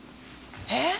えっ！